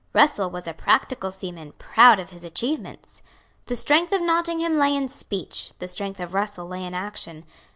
Russell was a practical seaman, proud of his achievements. The strength of Nottingham lay in speech; the strength of Russell lay in action.